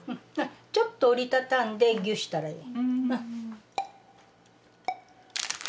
ちょっと折り畳んでギュッしたらいいわ。